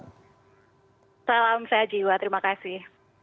salam sehat jiwa terima kasih